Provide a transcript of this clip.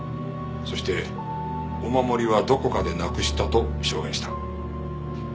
そしてお守りはどこかでなくしたと証言した。